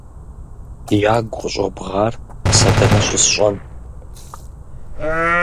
- Ягу къыщӏобгъэр сэ дэнэ щысщӏэн?